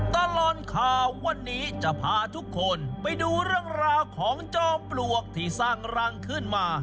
ตลอดข่าววันนี้จะพาทุกคนไปดูเรื่องราวของจอมปลวกที่สร้างรังขึ้นมา